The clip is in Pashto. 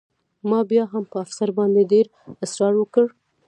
ما بیا هم په افسر باندې ډېر اسرار وکړ